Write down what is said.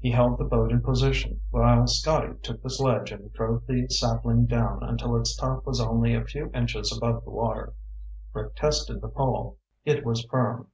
He held the boat in position while Scotty took the sledge and drove the sapling down until its top was only a few inches above the water. Rick tested the pole. It was firm.